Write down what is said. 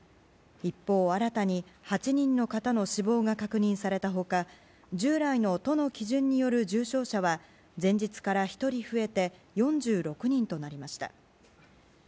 一方、新たに８人の方の死亡が確認された他従来の都の基準による重症者は前日から１人増えて４６人となりました。